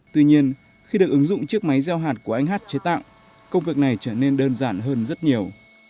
tuy nhiên khi được ứng dụng chiếc máy gieo hạt của anh hát chế tạo công việc này trở nên đơn giản hơn rất nhiều